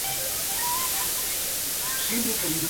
La notación científica se usa para representar números reales.